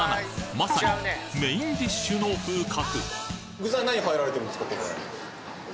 まさにメインディッシュの風格